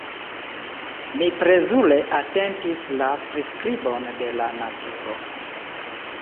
Mi plezure atentis la priskribon de la naturo.